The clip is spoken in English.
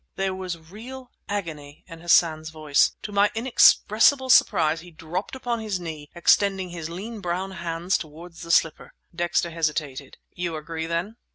There was real agony in Hassan's voice. To my inexpressible surprise he dropped upon his knee, extending his lean brown hands toward the slipper. Dexter hesitated. "You agree, then?"